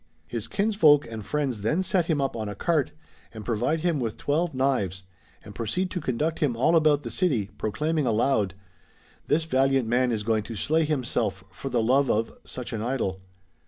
His kinsfolk and friends then set him up on a cart, and provide him with twelve knives, and proceed to conduct him all about the city, proclaiming aloud :" This valiant man is going to slay himself for the love of (such an idol)."